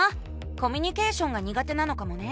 コミュニケーションが苦手なのかもね。